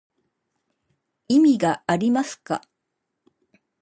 意味がありますか